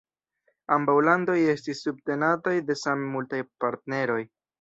Ambaŭ landoj estis subtenataj de same multaj partneroj.